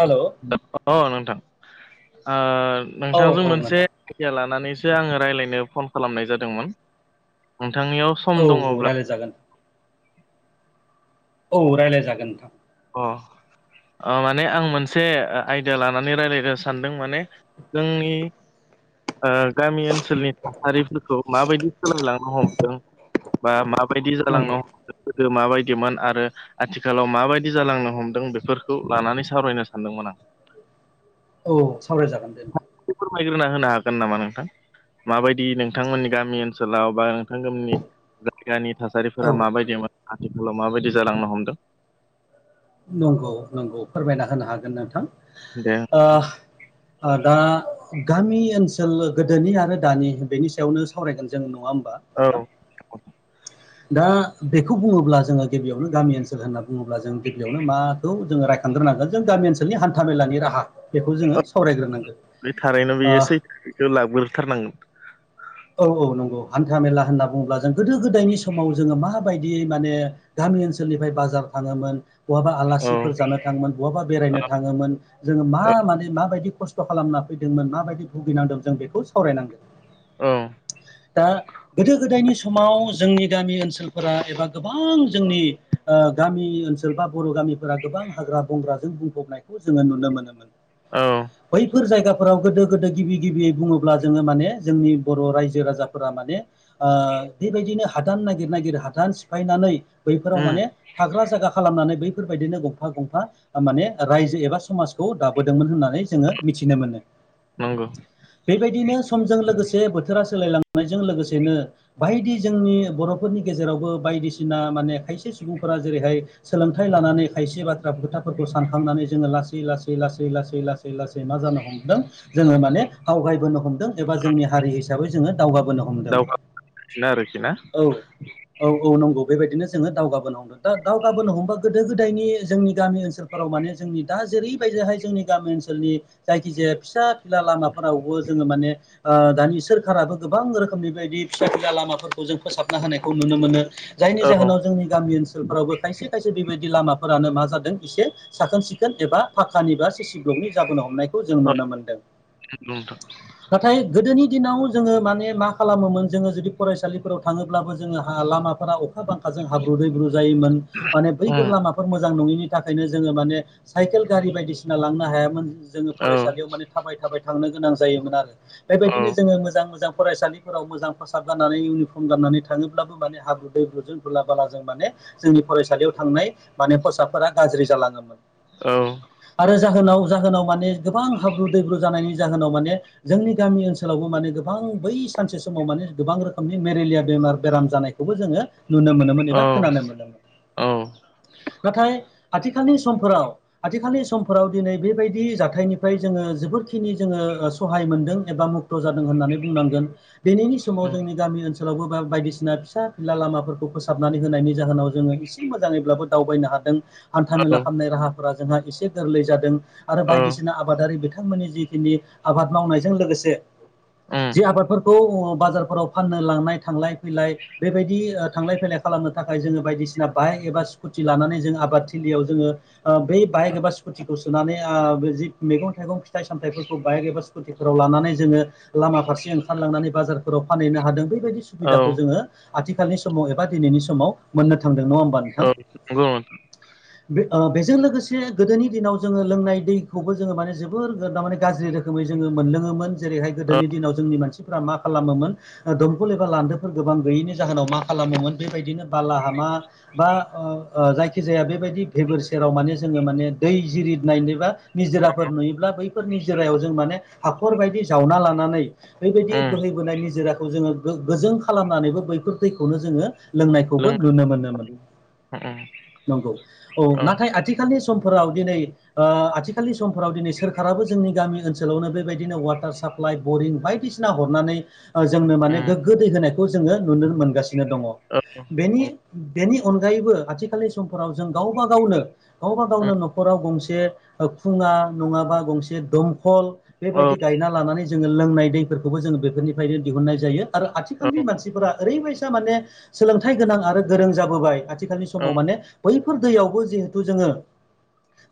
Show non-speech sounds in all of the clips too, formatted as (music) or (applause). Hello अ नोंथां ओ औ नोंथांजों औ मोनसे नोंथां (unintelligible) लानानैसो आंङो रायलायनो फन खालामनाय जादोंमोन नोंथांनियाव स औ रायलायजागोन औ रायलायजागोन अ ओ माने आं मोनसे आयदा लानानै रायज्लायनो सानदों माने जोंनि ओ गामि ओनसोलनि थासारिफोरखौ माबायदि सोलायलांनो हमदों मा माबायदि नंगौ जालांनो हम गोदो माबायदिमोन आरो आथिखालाव माबायदि जि जालांनो हमदों बेफोरखौ लानानै सावरायनो सानदोंमोन आं औ सावरायजागोन दे (unintelligible) (unintelligible) फोरमायग्रोना होनो हागोन नामा नोंथां माबायदि नोंथांमोननि गामि ओनसोलाव बा नोंथांमोननि जायगानि था थासारिफोरा औ माबायदिमोन आथिखालाव माबायदि जालांनो हमदों नंगौ नंगौ फोरमायना होनो हागोन नोंथां दे ओ नोंथां ओ दा गामि ओनसोल गोदोनि आरो दानि बेनि सायावनो सावरायगोन जों नङा होमबा औ (unintelligible) दा बेखौ बुङोब्ला जोङो गिबियावनो गामि ओनसोल होनना बुङोब्ला जों गिबियावनो माखौ जोङो रायखांग्रोनांगोन जों गामि ओनसोलनि हान्था मेलानि राहा बेखौ जोङो औ सावरायग्रोनांगोन बे थारैनो ओ बेयो सैथै बेखौ लाबोग्रोथारनांगोन औ औ नंगौ हान्था मेला होनना बुङोब्ला जों गोदो गोदायनि समाव जोङो माबायदि माने गामि ओनसोलनिफ्राय बाजार थाङोमोन बहाबा औ आलासिफोर जानो थाङोमोन बहाबा बेरायनो थाङोमोन जोङो मा माने माबायदि खस्थ खस्थ' खालामना फैदोंमोन माबायदि भुगिनांदों जों बेखौ सावरायनां औ दा गोदो गोदायनि समाव जोंनि गामि ओनसोलफोरा एबा गोबां जोंनि ओ गामि ओनसोल बा बर' गामिफोरा गोबां हाग्रा बंग्राजों बुंफबनायखौ जोङो नुनो मोनो औ बैफोर जायगाफोराव गोदो गोदो गिबि गिबियै बुङोब्ला जोङो माने जोंनि बर' रायजो राजाफोरा माने ओ बेबायदिनो हादान नागिर नागिर हादान सिफायनानै बैफोराव उम माने थाग्रा जागा खालामनानै बैफोरबायदिनो गंफा गंफा माने रायजो एबा समाजखौ दाबोदोंमोन होननानै जोङो मिथिनो मोनो नंगौ बेबायदिनो समजों लोगोसे से बोथोरा सोलायलांनायजों लोगोसेनो बायदि जोंनि बर'फोरनि गेजेरावबो बायदिसिना माने खायसे सुबुंफोरा जेरैहाय सोलोंथाइ लानानै खायसे बाथ्रा खोथाफोरखौ सानखांनानै जोङो लासै लासै लासै लासै लासै लासै लासै मा जानो हमदों जोङो माने आवगायबोनो हमदों एबा जोंनि हारि हिसाबै जोङो दावगाबोनो हमदों दावगागासिनो आरोखि ना औ औ औ नंगौ बेबायदिनो जोङो दावगाबोनो दा दावगाबोनो हमबा गोदो गोदायनि जोंनि गामि ओनसोलफोराव माने जोंनि दा जेरैबायदिहाय जोंनि गामि ओनसोलनि जायखिजाया फिसा फिला लामाफोरावबो जोङो माने ओ दानि सोरकाराबो गोबां रोखोमनि बेबायदि फिसा फिला लामाफोरखौ जों फोसाबना होनायखौ नुनो मोनो जायनि औ जाहोनाव जोंनि गामि ओनसोल फोरावबो खायसे खायसे बेबायदि लामाफोरानो मा जादों एसे साखोन सिखोन एबा पाखानि बा सिसि ब्लकनि जाबोनो हमनायखौ जों नुनो मोनदों (unintelligible) नाथाय गोदोनि दिनाव जोङो माने मा खालामोमोन जोङो जुदि फरायसालिफोराव थाङोब्लाबो जोङो हा लामाफोरा अखा बांखाजों हाब्रु दैब्रु जायोमोन माने बैफोर उम लामाफोर मोजां नङिनि थाखायनो जोङो माने साइकेल गारि बायदिसिना लांनो हायामोन जोङो औ फरायसालियाव माने थाबाय थाबाय थांनो गोनां जायोमोन आरो बेबायदिनो जोङो मोजां मोजां फरायसालि फोराव मोजां खसाब गाननानै इउनिफर्म गाननानै थाङोब्लाबो माने हाब्रु दैब्रुजों धुला बाला जों माने जोंनि फरायसालियाव थांनाय माने खसाबफोरा गाज्रि जालाङोमोन औ आरो जाहोनाव-जाहोनाव माने गोबां हाब्रु दैब्रु जानायनि जाहोनाव माने जोंनि गामि ओनसोलावबो माने गोबां बै सानसे समाव माने गोबां रोखोमनि मेरेलिया बेमार बेराम जानाय खौबो जोङो नुनो मोनोमोन औ एबा खोनानो मोनोमोन, नाथाय आथिखालनि समफोराव आथिखालनि समफोराव दिनै बेबायदि जाथायनिफ्राय जोङो जोबोदखिनि जोङो सहाय मोनदों एबा मुक्त' जादों होननानै बुंनांगोन दिनैनि समाव उम जोंनि गामि ओनसोल (unintelligible) बायदिसिना फिसा फिला लामाफोरखौ फोसाबनानै होनायनि जाहोनाव जोङो एसे मोजाङैब्लाबो दावबायनो हादों हान्था औ मेला खालामनाय राहाफोरा जोंहा एसे गोरलै जादों आरो औ बायदिसिना आबादारि बिथांमोननि जिखिनि आबाद मावनायजों लोगोसे उम जि आबादफोरखौ बाजारफोराव फाननो लांनाय थांलाय फैलाय बेबायदि थांलाय फैलाय खालामनो थाखाय जोङो बायदिसिना बाइक एबा स्कुटि लानानै जों आबाद थिलियाव जोङो ओ बेै बाइक एबा स्कुटिखौ सोनानै आ बे जि मैगं थाइगं फिथाइ सामथाइफोरखौ बाइक एबा स्कुटिफोराव लानानै जोङो लामा फारसे ओंखारलांनानै बाजारफोराव फानैनो हादों बैबायदि औ सुबिदाखौ जोङो आथिखालनि समाव एबा दिनैनि समाव मोननो थांदों नङा होम (unintelligible) बे ओ बेजों लोगोसे गोदोनि दिनाव जोङो लोंनाय दैखौबो जोङो माने जोबोर (unintelligible) दामाने गाज्रि रोखोमै जोङो मोनलोङोमोन जेरैहाय औ गोदोनि दिनाव जोंनि मानसिफ्रा मा खालामोमोन ओ दंकल एबा लान्दोफोर गोबां गैयैनि जाहोनाव मा खालामोमोन बेबायदिनो बाला हामा बा ओ ओ जायखिजाया बेबायदि भेबोर सेराव माने जोङो माने दै जिरिदनायनि बा निजिराफोर नुयोब्ला बैफोर निजिरायाव जों माने हाखर बायदि जावना लानानै बेबायदि उम बोहैबोनाय निजिराखौ जोङो गो-गोजों खालामनानैबो बैफोर दैखौनो जोङो लोंनायखौबो लोंनाय नुनो मोनोमोन उम नंगौ औ नाथाय आ थिखालनि समफोराव दिनै ओ आथिखालनि समफोराव दिनै सोरखाराबो जोंनि गामि ओनसोलावनो बेबायदिनो वाटार साप्लाइ बरिं बायदिसिना हरनानै ओ जोंनो माने गोग्गो दै होनायखौ जोङो नुनो मोनगासिनो दङ' उम बेनि औ बेनि अनगायैबो आथिखालनि समफोराव जों गावबा गावनो गावबा उम, गावनो न'खराव गंसे ओ खुङा नङाबा गंसे दमखल औ बेबायदि गायना लानानै जोङो लोंनाय दैफोरखौबो जोङो बेफोरनिफ्रायनो दिहुननाय जायो आरो औ आथिखालनि मानसिफोरा ओरैबायसा माने सोलोंथाइ गोनां आरो गोरों जाबोबाय (unintelligible) थिखालनि औ समाव माने बै दैयावबो जिहेथु जोङो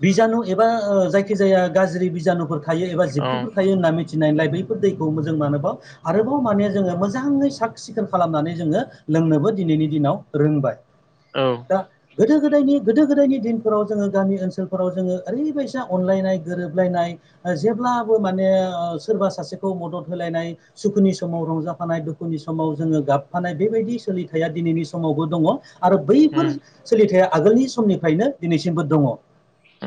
बिजानु एबा ओ जायखि जाया गाज्रि बिजानुफोर थायो एबा औ जिबख्रिफोर थायो होनना मिथिनायलाय बैफोर दैखौ मोजां मानोबाव आरोबाव माने जोङो मोजाङै साक सिखोन खालामनानै जोङो लोंनोबो दिनैनि दिनाव रोंबाय औ (unintelligible) गोदो गोदायनि गोदो गोदायनि दिनफोराव जोङो गामि ओनसोलफोराव जोङो ओरैबायसा अनलायनाय गोरोबलायनाय ओ जेब्लाबो माने ओ सोरबा सासेखौ मदद होलायनाय सुखुनि समाव रंजाफानाय दुखुनि समाव जोङो गाबफानाय बेबायदि सोलिथाया दिनैनि समावबो दङ' आरो उम बैफोर सोलिथाया आगोलनि समनिफ्रायनो दिनैसिमबो दङ'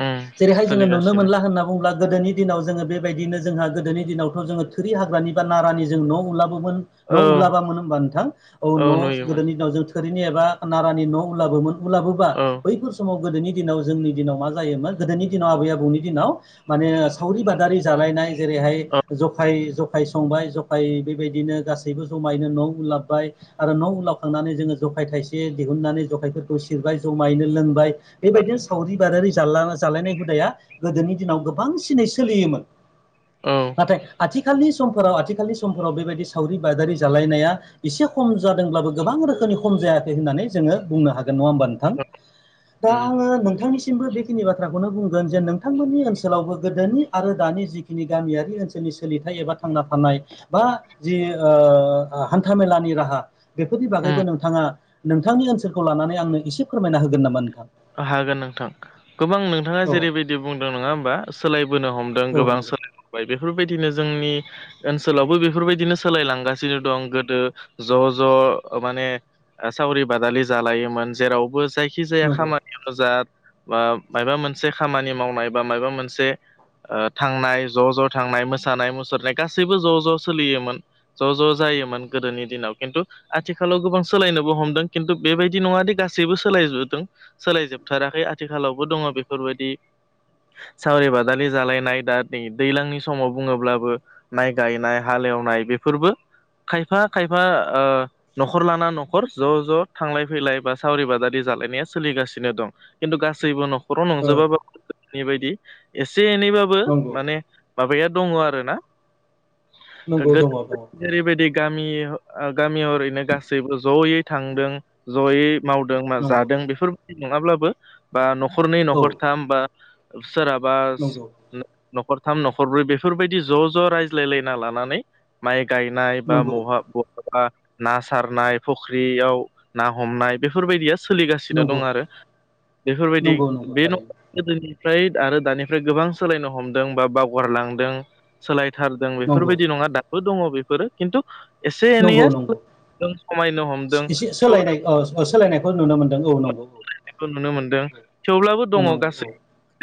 उम जेरैहाय जोङो नुनो सोलिगासिनो मोनला होनना बुंब्ला गोदोनि दिनाव जोङो बेबायदिनो जोंहा गोदोनि दिनावथ' जोङो थोरि हाग्रानि बा नारानि जों न' उलाबोमोन न' औ उलाबामोन होमबा नोंथां औ न' गोदोनि दिनाव जों थोरिनि एबा नारानि न' उलाबोमोन उलाबोबा औ बैफोर समाव गोदोनि दिनाव जोंनि दिनाव मा जायोमोन गोदोनि दिनाव आबै आबौनि दिनाव माने सावरि बादारि जालायनाय जेरैहाय औ जखाय ज' खाय संबाय जखाय बेबायदिनो गासैबो जमायैनो न' उलाबबाय आरो न' उलावखांनानै जोङो जखाय थाइसे दिहुननानै जखायफोरखौ सिरबाय जमायैनो लोंबाय बेबायदिनो सावरि बादारि जाला-जालायनाय हुदाया गोदोनि दिनाव गोबांसिनै सोलियोमोन औ नाथाय आथिखालनि समफोराव आथिखालनि समफोराव बेबायदि सावरि बादारि जालायनाया एसे खम जादोंब्लाबो गोबां रोखोमनि खम जायाखै होननानै जोङो बुंनो हागोन नङा होमबा (unintelligible) दा उम आङो नोंथांनि सिमबो बेखिनि बाथ्राखौनो बुंगोन जे नोंथांमोननि ओनसोलावबो गोदोनि आरो दानि जिखिनि गामियारि ओनसोलनि सोलिथाय एबा थांना थानाय बा जि ओ हान्थामेलानि राहा बेफोरनि उम बागैबो नोंथाङा नोंथांनि ओनसोलखौ लानानै आंनो इसे फोरमायना होगोन नामा नोंथां हागोन नोंथां गोबां नोंथाङा औ जेरैबायदि बुंदों नङा होमबा सोलायबोनो हम ओं औ गोबां नंगौ सोलाय बोबाय बेफोरबायदिनो जोंनि ओनसोलावबो बेफोरबायदिनो सोलायलांगासिनो दं गोदो ज' ज' माने ओ सावरि बादालि जालायोमोन जेरावबो जायखि जाया नंगौ खामा (unintelligible) जात बा माबा मोनसे खामानि मावनाय बा माबा मोनसे ओ थांनाय ज' ज' थांनाय मोसानाय मुसुरनाय गासैबो ज' ज' सोलियोमोन ज' ज' जायोमोन गोदोनि दिनाव खिन्थु आथिखालाव गोबां सोलायनोबो हमदों खिन्थु बेबायदि नङादि गासैबो सोलायजोबदों। सोलायजोबथाराखै आथिखालावबो दङ' बेफोर बादि सावरि बादालि जालायनाय दा नै दैलांनि समाव बुङोब्लाबो माइ गायनाय हालेवनाय बेफोरबो खायफा खायफा ओ न'खर लाना न'खर ज' ज' थांलाय फैलाय बा सावरि बादारि जालायनाया सोलिगासि नो दं खिन्थु गासैबो न'खराव ओ नंजोबा (unintelligible) एसे एनैबा बो नंगौ माने माबाया दङ' आरोना नंगौ गो दङ दङ (unintelligible) जेरैबायदि गामि गामि हरैनो गासैबो ज'यै थांदों जयै मावदों मा नंगौ जादों बेफोरबायदि नङाब्लाबो बा न'खरनै औ न'खरथाम बा सोराबा नंगौ न'खरथाम न'खरब्रै बेफोरबायदि ज' ज' रायज्लायलायना लानानै माइ गायनाय बा नंगौ महा ब बा ना सारनाय फुख्रियाव ना हमनाय बेफोरबायदिया सोलिगासि नंगौ दं आरो बेफोरबायदि नंगौ नंगौ बे न थारैनो गोदोनिफ्राय आरो दानिफ्राय गोबां सोलायनो हमदों बा बावगारलांदों सोलायथारदों नंगौ बेफोरबायदि नङा दाबो दङ' बेफोरो खिन्थु एसे नंगौ एनैया नंगौ (unintelligible) खमायनो हमदों थेव औ सोलायनायखौ नुनो मोनदों औ नंगौ औ। खौ नुनो मोनदों औ थेवब्लाबो दङ' गासै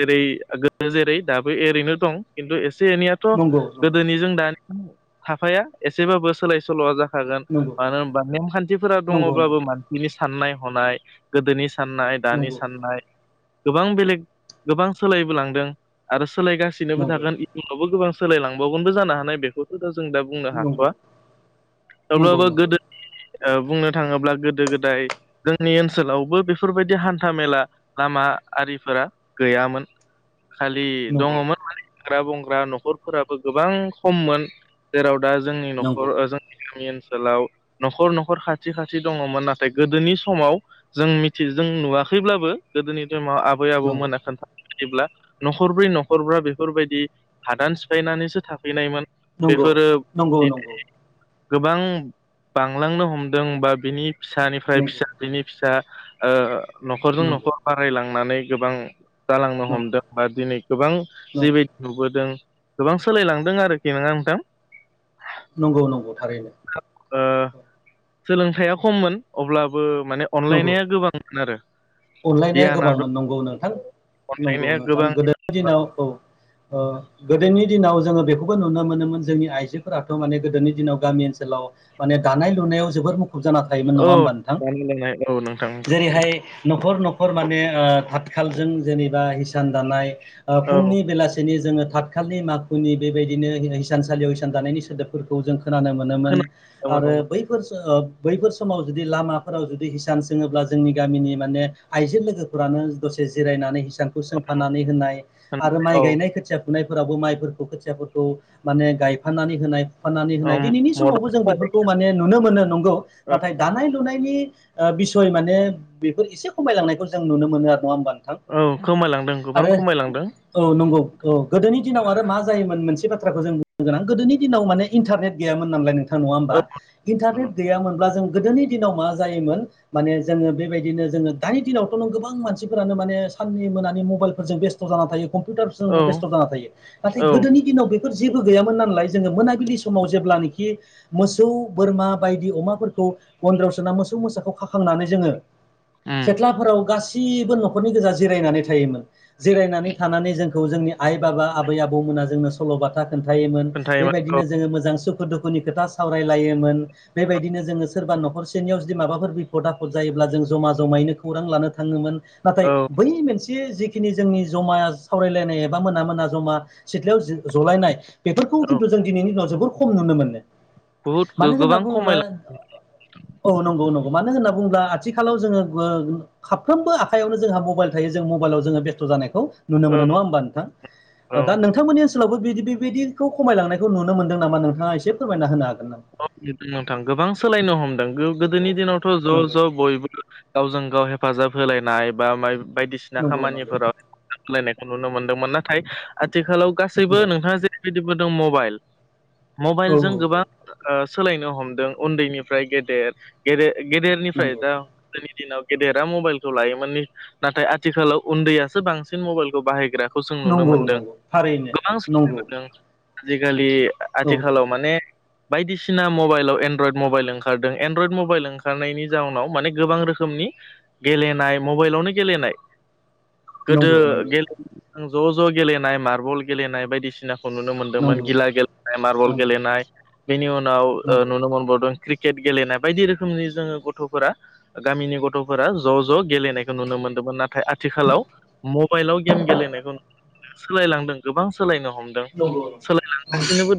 जेरै गोदो जेरै दाबो एरैनो दं खिन्थु एसे एनैया थ' नंगौ औ गोदोनि जों दानिजों हाफाया एसेबाबो सोलाय सोल'आ जा खागोन नंगौ मानो होमबा नेमखान्थिफोरा नंगौ दङ'बाबो मानसिनि साननाय हनाय गोदोनि साननाय दानि साननाय गोबां बेलेग गोबां सोलायबोलांदों आरो सोलायगासिनोबो नंगौ नंगौ थागोन उनावबो गोबां सोलायलांबाव गोनबो जानो हानाय बेखौथ' दा जों दा बुंनो हाथ'वा नंगौ नंगौ अब्लाबो नंगौ गोदो ओ बुंनो थाङोब्ला गोदो गोदाय जोंनि ओन सोलावबो बेफोरबायदि हान्था मेला लामा आरिफोरा गैयामोन। खालि नंगौ दङ'मोन मानि हाग्रा बंग्रा न'खरफोराबो गोबां खम मोन। जेराव दा जोंनि न'खर नंगौ ओ जोंनि गामि ओनसोलाव न'खर न'खर खाथि खाथि दङ'मोन नाथाय गोदोनि समाव जों मिथि जों नुवाखैब्लाबो गोदोनि टाइमाव आबै आबौ नंगौ खोन्था जेब्ला न'खरब्रै न'खरबा बेफोरबायदि हादान सिफायनानैसो थाफैनायमोन नंगौ बेफोरो नंगौ नंगौ नंगौ नंगौ (unintelligible) गोबां बांलांनो हमदों बा बिनि फिसानिफ्राय नंगौ फिसा बिनि फिसा ओ न'खरजों न'खर बारायलांनानै गोबां जालांनो हमदों बा दिनै गोबां नंगौ जिबाय नुबोदों गोबां सोलायलांदों आरोखि नोंङा नोंथां नंगौ-नंगौ थारैनो ओ सोलोंथाइया खममोन अब्लाबो माने नंगौ अनलायनाया गोबांमोन आरो। अनलायनाया गियाना दं गोबांमोन नंगौ नोंथां, नंगौ अनलायनाया नोंथां, गोबां गोदो दिनाव औ ओ गोदोनि दिनाव जोङो बे खौबो नुनो मोनोमोन जोंनि आइजोफोराथ' माने गोदोनि दिनाव गामि ओनसोलाव माने दानाय लुनायाव जोबोद मुखुब जाना थायोमोन औ नङा जानाय लोंनाय औ नोंथां नंगौ बेहाय न'खर-न'खर माने ओ थाथखालजों जेनेबा हिसान दानाय ओ औ फुंनि बेलासिनि जोङो थाथ खालनि माखुनि बेबायदिनो हिसानसालियाव हैसान दानायनि सोदोबफोरखौ जों खोनानो मोनोमोन आरो खोनादोंमोन औ बैफोर समाव जुदि लामाफोराव जुदि हिसान सोङोब्ला जोंनि गामिनि माने आइजो लोगोफोरानो दसे जिरायनानै हिसान सोंफानानै होनाय आरो माइ औ गायनाय खोथिया फुनायफोरावबो माइफोरखौ खोथियाफोरखौ माने गायफानानै होनाय फानानै होनाय ओम दिनैनि समावबो मदद जों होफादों बेफोरखौ माने नुनो मोनो नंगौ नाथाय दानाय लुनायनि ओ बिसय माने बेफोर एसे खमायलांनायखौ जों नुनो मोनो आरो नङा होमबा नोंथां औ खमायलांदों गोबां आरो खमायलांदों औ नंगौ औ गोदोनि दिनाव आरो मा जायोमोन मोनसे बाथ्राखौ जों गोनां गोदोनि दिनाव माने इन्टारनेट गैयामोन नालाय नों नङा होमबा औ इन्टारनेट गैयामोनब्ला जों गोदोनि दिनाव मा जायोमोन माने जोङो बेबायदिनो जोङो दानि दिनावथ' नों गोबां मानसिफोरानो माने साननि मोनानि मबाइलफोरजों बेसथ सथ' जाना थायो कम्पिउटार जोंबो औ बेस्थ' जाना‌ थायो नाथाय औ गोदोनि दिनाव बे बेफोर जेबो गैयामोन नालाय जोङो मोनाबिलि समाव जेब्लानोखि मोसौ बोरमा बायदि अमाफोरखौ गन्द्रायाव सोना मोसौ मोसाखौ खाखांनानै जोङो उम खेथ्लाफोराव गासिबो न'खरनि गोजा जिरायनानै थायोमोन जिरायनानै थानानै जोंखौ जोंनि आइ बाबा आबै आबौमोना जोंनो सल'बाथा खोन्थायोमोन खोन्थायोमोन औ बेबायदिनो जोङो मोजां सुखु दुखुनि खोथा सावरायलायोमोन बेबायदिनो जोङो सोरबा न'खरसेनियाव जुदि माबाफोर बिपद आफद जायोब्ला जों जमा जमायैनो खौरां लानो थाङोमोन नाथाय औ बै मोनसे जिखिनि जोंनि जमा सावरायलायनाय एबा मोना-मोना जमा सिथ्लायाव जलायनाय बेफोरखौ औ खिन्थु जों दिनैनि दिनाव जोबोर खम नुनो मोनो बुहुद मानो होनना गोबां बुङोब्ला खमायलां औ नंगौ-नंगौ मानो होनना बुङोब्ला आथिखालाव जोङो साफ्रोमबो आखाइयावनो जोंहा मबाइल थायो जों मबाइलाव जोङो बेस्थ' जानायखौ नुनो मोनो नङा औ होमबा नोंथां (unintelligible) दा नोंथांनि ओनसोलावबो बि बेबायदिखौ खमायलांनायखौ नुनो मोनदों नामा नोंथाङा एसे फोरमायना होनो हागोन नामा औ नोंथां गोबां सोलायनो हमदों गोदोनि दिनावथ' नामा? ज'-ज' बयबो गावजों गाव हेफाजाब होलायनाय बा बायदिसिना नंगौ नंगौ खामानिफोराव लायनायखौ नुनो मोनदोंमोन नाथाय आथिखालाव औ गासैबो नोंथाङा जे गिबो द मबाइल मबाइलजों औ औ गोबां सोलायनो हमदों उन्दैनिफ्राय गेदेर गेदे गेदेरनिफ्राय नंगौ दा गोदोनि दिनाव गेदेरा मबाइलखौ लायोमोन नाथाय आथिखालाव उन्दैयासो बांसिन मबाइलखौ बाहायग्रा खौ जों नुनो नंगौ मोनदों नंगौ थारैनो गोबां सोंनो नंगौ मोनदों आजिखालि औ आथिखालाव माने बायदिसिना मबाइलाव एनड्रयड मबाइल ओंखारदों एनड्रयड मबाइल ओंखारनायनि जाउनाव माने गोबां रोखोमनि गेलेनाय मबाइलावनो गेलेनाय गोदो नंगौ नंगौ गेले ज' ज' गेलेनाय मार्बल गेलेनाय बायदिसिना खौ नुनो मोनदोंमोन नंगौ गिला गेलेनाय, मार्बल नंगौ गेलेनाय, बेनि उनाव ओ नुनो मोनबावदों क्रिकेट गेलेनाय बायदि रोखोमनि जोङो गथ'फोरा गामिनि गथ'फोरा ज' ज' गेलेनायखौ नुनो मोन्दोंमोन नाथाय आथिखालाव मबाइलाव गेम गेलेनायखौ सोलायलांदों गोबां सोलायनो हमदों। द नंगौ नंगौ सोलायलांगासिनोबो दं